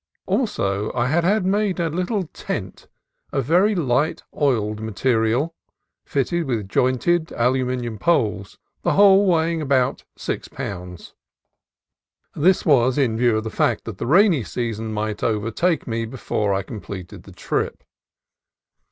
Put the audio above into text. Also I had had made a little tent of very light oiled material , fitted with jointed aluminum poles, the whole weigh ing about six pounds. This was in view of the fact that the rainy season might overtake me before I completed the trip.